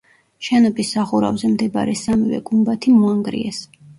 შენობის სახურავზე მდებარე სამივე გუმბათი მოანგრიეს.